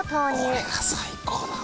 これが最高だね。